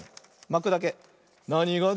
まくだけ。